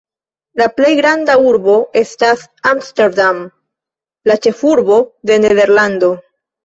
La plej granda urbo estas Amsterdam, la ĉefurbo de Nederlando.